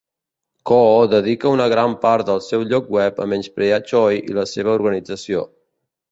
Koo dedica una gran part del seu lloc web a menysprear Choi i la seva organització.